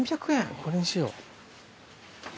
これにしよう。